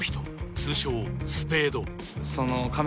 通称スペード仮面